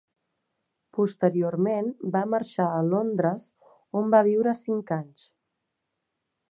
Posteriorment va marxar a Londres, on va viure cinc anys.